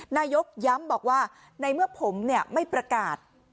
นายกย้ำบอกว่าในเมื่อผมไม่ประกาศ